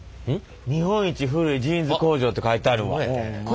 「日本一古いジーンズ工場」って書いてあるわ。